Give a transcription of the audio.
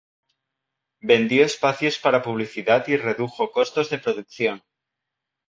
Vendió espacios para publicidad y redujo costos de producción.